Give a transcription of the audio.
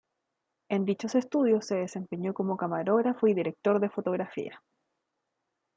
En dichos estudios se desempeñó como camarógrafo y director de fotografía.